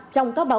trong các báo cáo